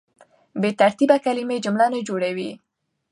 بې ترتیبه کلیمې جمله نه جوړوي.